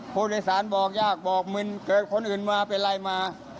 ผู้โดยสารบอกยากบอกมึนเกิดคนอื่นมาเป็นไรมา